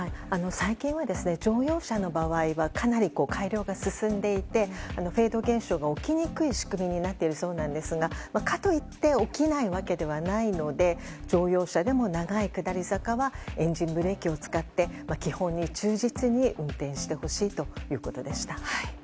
最近は乗用車の場合はかなり改良が進んでいてフェード現象が起きにくい仕組みになっているそうですがかといって起きないわけではないので乗用車でも長い下り坂はエンジンブレーキを使って基本に忠実に運転してほしいということでした。